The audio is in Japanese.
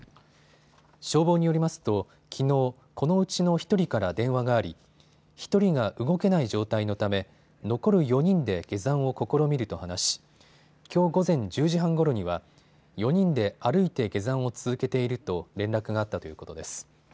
消防によりますときのう、このうちの１人から電話があり１人が動けない状態のため残る４人で下山を試みると話しきょう午前１０時半ごろには４人で歩いて下山を続けていると連絡があったということです。